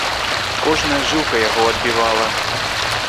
Кожная жылка яго адбівала.